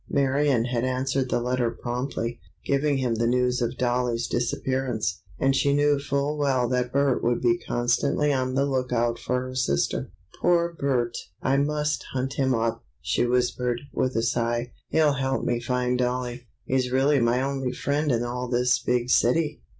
Marion had answered the letter promptly, giving him the news of Dollie's disappearance, and she knew full well that Bert would be constantly on the lookout for her sister. "Poor Bert! I must hunt him up," she whispered, with a sigh. "He'll help me find Dollie. He's really my only friend in all this big city!"